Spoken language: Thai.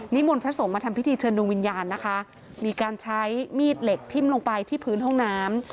มนต์พระสงฆ์มาทำพิธีเชิญดวงวิญญาณนะคะมีการใช้มีดเหล็กทิ้มลงไปที่พื้นห้องน้ำ